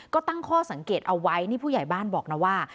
ก็ตั้งข้อสังเกตเอาไว้นี่ผู้ใหญ่บ้านบอกนะว่า